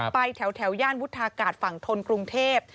ไปแถวย่านวุฒากาศฝั่งทนกรุงเทพ